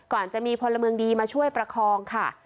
ก่อนจะมีพลเมืองดีมาช่วยประคองค่ะ